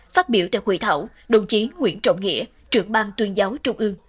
phát biểu cho hội thảo đồng chí nguyễn trọng nghĩa trưởng bang tuyên giáo trung ương